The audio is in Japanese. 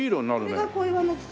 これが小岩の土の。